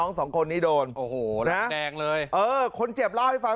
นักเรียงมัธยมจะกลับบ้าน